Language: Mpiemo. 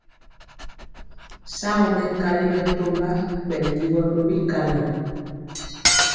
Shagɔ mɛkali bɛtɔmba bɛ ligɔ tɔ bikaŋɔ.